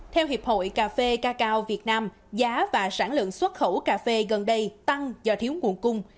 theo hiệp hội cà phê cà cao việt nam giá và sản lượng xuất khẩu cà phê gần đây tăng do thiếu nguồn cung